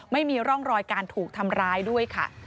ไม่มีร่องรอยการถูกทำร้ายด้วยค่ะ